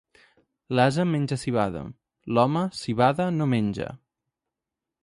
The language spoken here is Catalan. L'ase menja civada; l'home, si bada, no menja.